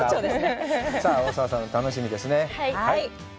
さあ、大沢さん、楽しみですね。